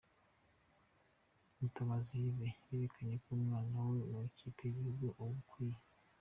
Mutabazi Yves yerekanye ko umwanya we mu ikipe y’igihugu awukwiye.